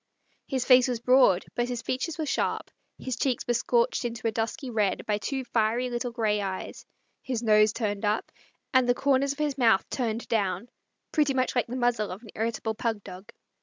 His face was broad, but his features were sharp; his cheeks were scorched into a dusky red by two fiery little gray eyes, his nose turned up, and the corners of his mouth turned down, pretty much like the muzzle of an irritable pug dog.